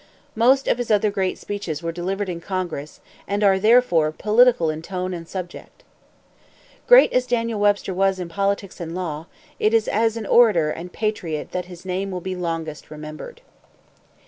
Most of his other great speeches were delivered in Congress, and are, therefore, political in tone and subject. Great as Daniel Webster was in politics and in law, it is as an orator and patriot that his name will be longest remembered.